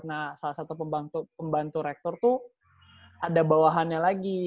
nah salah satu pembantu rektor tuh ada bawahannya lagi